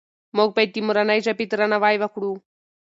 موږ باید د مورنۍ ژبې درناوی وکړو.